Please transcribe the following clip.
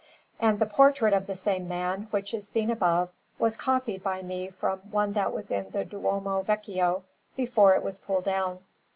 And the portrait of the same man, which is seen above, was copied by me from one that was in the Duomo Vecchio before it was pulled down.